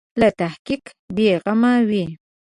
له تحقیق بې غمه وي.